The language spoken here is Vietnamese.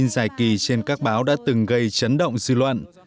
các bài kỳ trên các báo đã từng gây chấn động dư luận